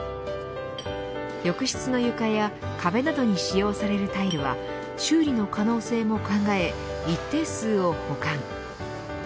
浴室の床や壁などに使用されるタイルは修理の可能性も考え一定数を保管。